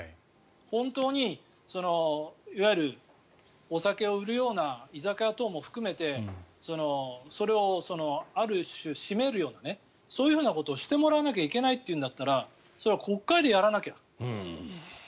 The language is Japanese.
本当にいわゆるお酒を売るような居酒屋等も含めてそれをある種、閉めるようなそういうふうなことをしてもらわなきゃいけないというんだったらそれは国会でやらなきゃ。